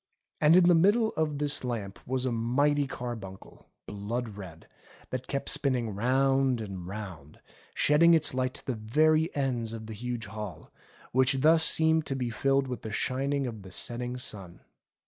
And in the middle of this lamp was a mighty carbuncle, blood red, that kept spinning round and round, shedding its light to the very ends of the huge hall, which thus seemed to be filled with the shining of the setting sun.